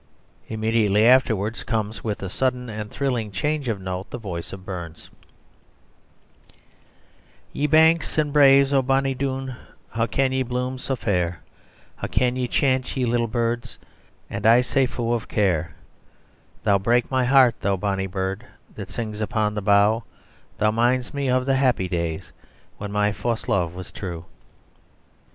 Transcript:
Immediately afterwards comes, with a sudden and thrilling change of note, the voice of Burns: "Ye banks and braes o' bonnie Doon, How can ye bloom sae fair? How can ye chant, ye little birds, And I sae fu' of care? Thou'll break my heart, thou bonny bird, That sings upon the bough, Thou minds me of the happy days When my fause Love was true."